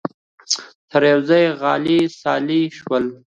سره یوځای خلع سلاح شول